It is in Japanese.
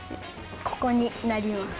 ここになります。